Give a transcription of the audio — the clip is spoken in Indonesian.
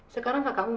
sekarang kakakmu mana